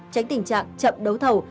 tránh tình trạng chậm đấu thầu